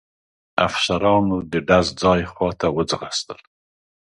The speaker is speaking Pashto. افسرانو د ډز ځای خواته وځغستل.